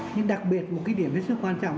nhưng đặc biệt một cái điểm rất là quan trọng